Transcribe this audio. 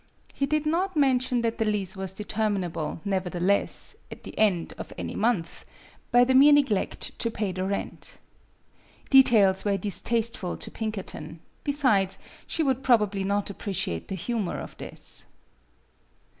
He did not mention that the lease was determinable, nevertheless, at the end of any month, by the mere neglect to pay the rent. Details were distasteful to Pinkerton; besides, she would probably not appreciate the humor of this.